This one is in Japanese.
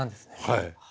はい。